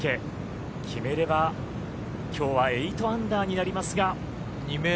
決めればきょうは８アンダーになりますが。